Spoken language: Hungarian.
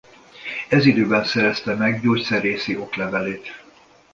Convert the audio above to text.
Ez időben szerezte meg gyógyszerészi oklevelét.